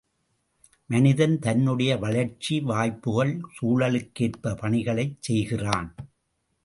மனிதன் தன்னுடைய வளர்ச்சி, வாய்ப்புக்கள், சூழலுக்கேற்ப பணிகளைச் செய்கிறான்.